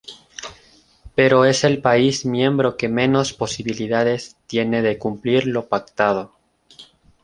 Pero es el país miembro que menos posibilidades tiene de cumplir lo pactado.